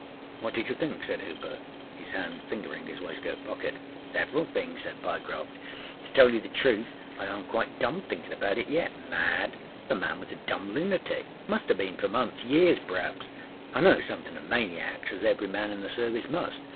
â âWhat did you think?â said Hooper, his hand fingering his waistcoat pocket. âSeveral things,â said Pyecroft. âTo tell you the truth, I arenât quite done thinkinâ about it yet. Mad? The man was a dumb lunaticâmust âave been for monthsâyears pâraps. I know somethinâ oâ maniacs, as every man in the Service must.